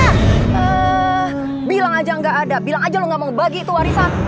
eeeh bilang aja ga ada bilang aja lo ga mau bagi itu warisan